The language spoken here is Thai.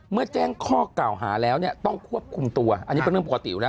เมื่อแจ้งข้อกล่าวหาแล้วเนี่ยต้องควบคุมตัวอันนี้เป็นเรื่องปกติอยู่แล้ว